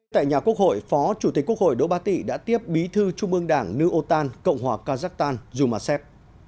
tại nhà quốc hội phó chủ tịch quốc hội đỗ bá tị đã tiếp bí thư chung mương đảng nưu âu tàn cộng hòa kazakhstan dù mà xét